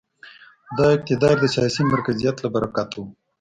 دا اقتدار د سیاسي مرکزیت له برکته و.